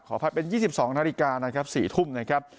อภัยเป็น๒๒นาฬิกานะครับ๔ทุ่มนะครับ